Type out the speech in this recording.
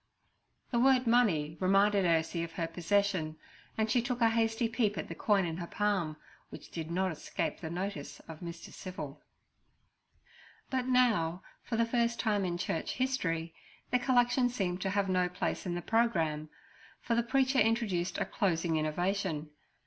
The word money reminded Ursie of her possession, and she took a hasty peep at the coin in her palm, which did not escape the notice of Mr. Civil. But now, for the first time in Church history, the collection seemed to have no place in the programme, for the preacher introduced a closing innovation.